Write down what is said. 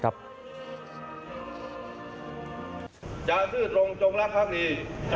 จะซื่อลงจงรักภักดี